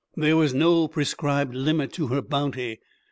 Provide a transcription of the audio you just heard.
There was no prescribed limit to her bounty.